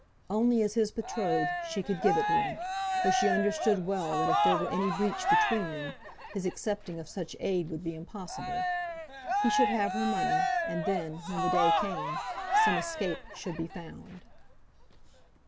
Only as his betrothed she could give it him, for she understood well that if there were any breach between them, his accepting of such aid would be impossible. He should have her money, and then, when the day came, some escape should be found.